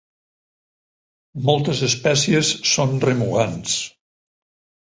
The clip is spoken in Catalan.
Moltes espècies són remugants.